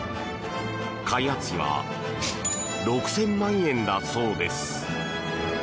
開発費は６０００万円だそうです。